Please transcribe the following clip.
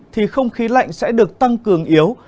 thì không khí lạnh sẽ được tăng cường yếu